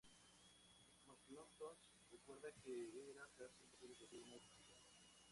McIntosh recuerda que "era casi imposible conseguir una educación.